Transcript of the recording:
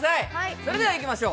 それではいきましょう。